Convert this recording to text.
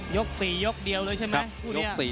ยก๔ยกเดียวเลยใช่ไหมคู่นี้